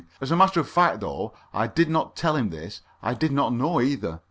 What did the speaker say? As a matter of fact, though I did not tell him this, I did not know either.